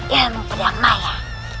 ilmu pedang maya